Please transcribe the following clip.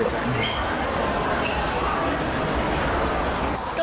เสียใจ